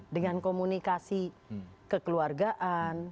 dengan komunikasi kekeluargaan